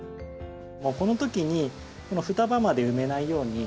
もうこの時にこの双葉まで埋めないように。